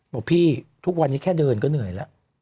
บอกพี่ทุกวันนี้แค่เดินก็เหนื่อยแล้ว